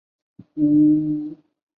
新秩序乐团成立。